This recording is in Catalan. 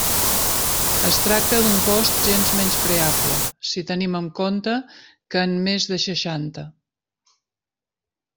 Es tracta d'un cost gens menyspreable, si tenim en compte que en més de seixanta.